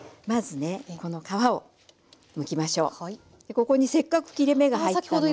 ここにせっかく切れ目が入ったので。